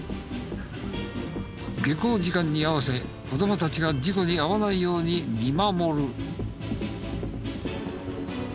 下校時間に合わせ子供たちが事故に遭わないように見守る。